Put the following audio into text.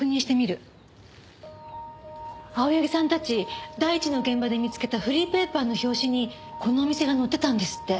青柳さんたち第一の現場で見つけたフリーペーパーの表紙にこのお店が載ってたんですって。